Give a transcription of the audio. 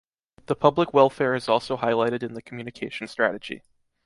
The public welfare is also highlighted in the communication strategy.